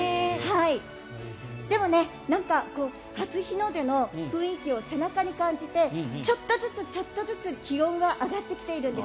でも、初日の出の雰囲気を背中に感じてちょっとずつ気温が上がってきているんです。